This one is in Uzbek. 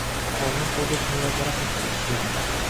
«Hovlini to‘ldirib mevali daraxt ekdik, — dedi.